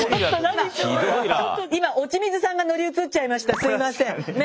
今落水さんが乗り移っちゃいました。